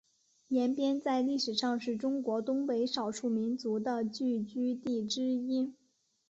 延边在历史上是中国东北少数民族的聚居地之一。